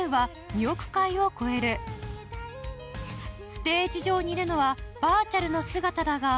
ステージ上にいるのはバーチャルの姿だが。